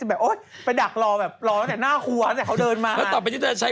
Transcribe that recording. นี่มันมาจนไพในร้านหมูกระทะหรือไง